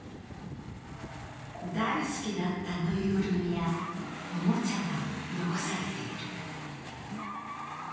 大好きだったぬいぐるや、おもちゃが残されている。